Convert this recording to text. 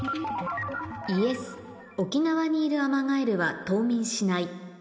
Ｙｅｓ「沖縄にいるアマガエルは冬眠しない」